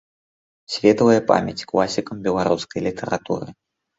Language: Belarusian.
Светлая памяць класікам беларускай літаратуры.